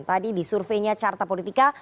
tadi di surveinya carta politika